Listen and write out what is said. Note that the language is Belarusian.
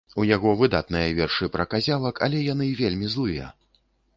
У яго выдатныя вершы пра казявак, але яны вельмі злыя.